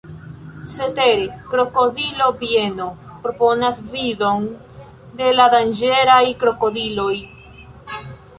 Cetere, krokodilo-bieno proponas vidon de la danĝeraj krokodiloj.